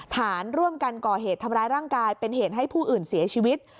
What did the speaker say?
ฐานร่วมกันก่อเหตุทำร้ายร่างกายเป็นเหตุให้ผู้อื่นเสียชีวิต